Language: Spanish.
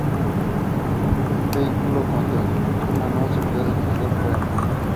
Un vehículo con una transmisión manual se puede iniciar por empuje.